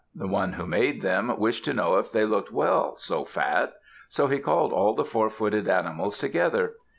The one who made them wished to know if they looked well so fat. So he called all the four footed animals together.